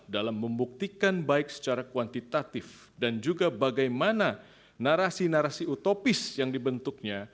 dalam membuktikan baik secara kuantitatif dan juga bagaimana narasi narasi utopis yang dibentuknya